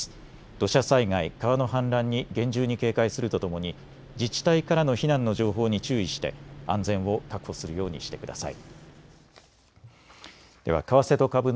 土砂災害、川の氾濫に厳重に警戒するとともに自治体からの避難の情報に注意して安全を確保するようにしてください。